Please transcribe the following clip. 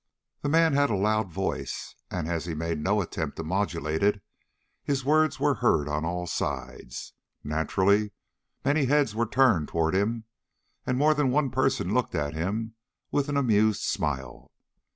The man had a loud voice, and as he made no attempt to modulate it, his words were heard on all sides. Naturally many heads were turned toward him, and more than one person looked at him with an amused smile.